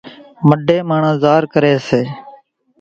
مڍين ماڻۿان زار ڪري سي